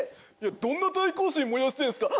どんな対抗心燃やしてんすか！